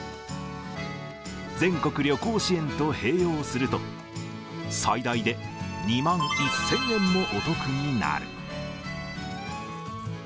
全国旅行支援と併用すると、最大で２万１０００円もお得になる。